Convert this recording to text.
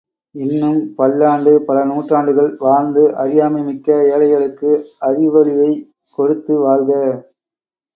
இன்னும் பல்லாண்டு பல நூற்றாண்டுகள் வாழ்ந்து அறியாமை மிக்க ஏழைகளுக்கு அறிவொளியைக் கொடுத்து வாழ்க!